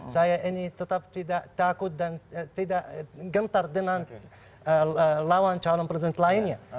saya ini tetap tidak takut dan tidak gentar dengan lawan calon presiden lainnya